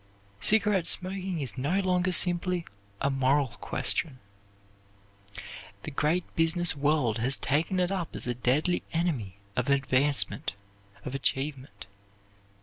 Cigarette smoking is no longer simply a moral question. The great business world has taken it up as a deadly enemy of advancement, of achievement.